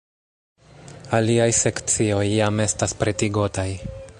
Aliaj sekcioj jam estas pretigotaj.